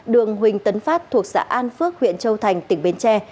đường huỳnh tấn phát thuộc xã an phước huyện châu thành tỉnh bến tre